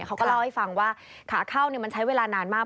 เขาก็เล่าให้ฟังว่าขาเข้ามันใช้เวลานานมาก